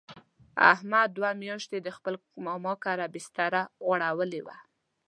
احمد دوه میاشتې د خپل ماما کره بستره غوړولې وه.